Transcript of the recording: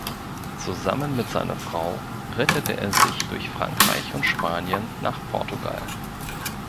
Zusammen mit seiner Frau rettete er sich durch Frankreich und Spanien nach Portugal.